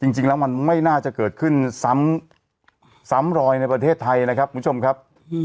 จริงแล้วมันไม่น่าจะเกิดขึ้นซ้ำซ้ำรอยในประเทศไทยนะครับคุณผู้ชมครับ